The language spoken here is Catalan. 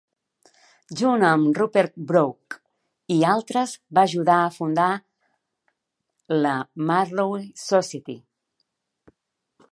Junt amb Rupert Brooke i altres va ajudar a fundar la Marlowe Society.